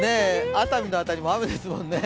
熱海の辺りも雨ですもんね。